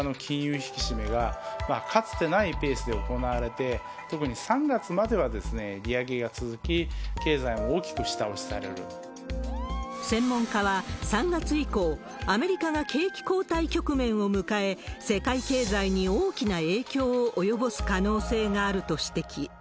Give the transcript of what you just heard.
引き締めが、かつてないペースで行われて、特に３月までは利上げが続き、専門家は、３月以降、アメリカが景気後退局面を迎え、世界経済に大きな影響を及ぼす可能性があると指摘。